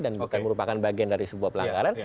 dan bukan merupakan bagian dari sebuah pelanggaran